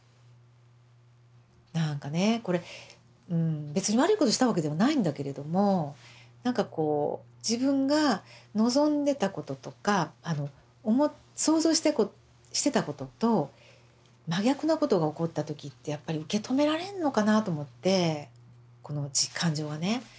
なんかねこれ別に悪いことしたわけではないんだけれどもなんかこう自分が望んでたこととか想像してたことと真逆のことが起こった時ってやっぱり受け止められんのかなと思ってこの感情がね。